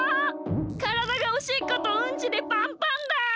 からだがおしっことうんちでパンパンだ！